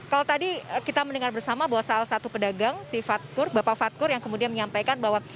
kalau tadi kita mendengar bersama bahwa salah satu pedagang si fatkur bapak fadkur yang kemudian menyampaikan bahwa